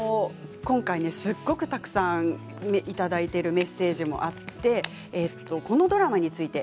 今回すごくたくさんいただいているメッセージがあってこのドラマについてです。